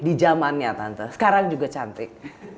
di zamannya tante sekarang juga cantik